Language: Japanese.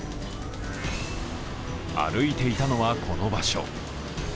歩いていたのは、この場所。